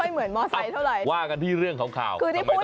เอาะว่ากันที่เรื่องข่าว